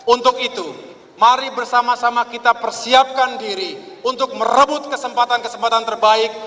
untuk itu mari bersama sama kita persiapkan diri untuk merebut kesempatan kesempatan terbaik